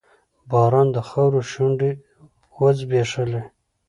باران د خاورو شونډې وځبیښلې